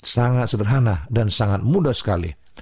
sangat sederhana dan sangat mudah sekali